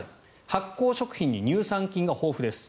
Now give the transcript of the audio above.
発酵食品に乳酸菌が豊富です。